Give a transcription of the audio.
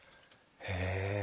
へえ。